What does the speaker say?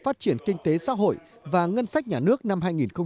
kế hoạch phát triển kinh tế xã hội và ngân sách nhà nước năm hai nghìn một mươi bảy